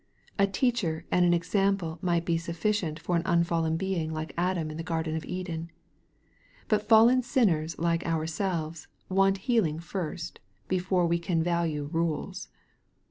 A teacher and an example might be sufficient for an unfallen being like Adam in the garden of Eden. But fallen sinners like ourselves want healing first, before we can value rules.